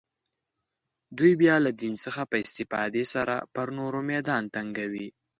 دوی بیا له دین څخه په استفاده سره پر نورو میدان تنګوي